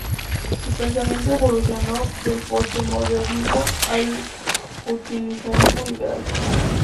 Su pensamiento evolucionó del postmodernismo al utilitarismo liberal.